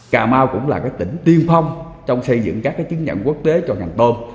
cà mau cũng là tỉnh tiên phong trong xây dựng các chứng nhận quốc tế cho ngành tôm